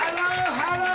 ハロー！